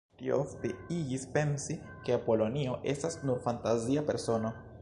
Tio ofte igis pensi, ke Apolonio estas nur fantazia persono.